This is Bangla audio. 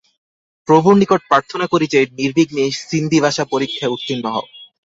প্রভুর নিকট প্রার্থনা করি যে, নির্বিঘ্নে সিন্ধি-ভাষা পরীক্ষায় উত্তীর্ণ হও।